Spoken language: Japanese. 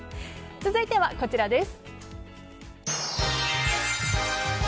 続いてはこちらです。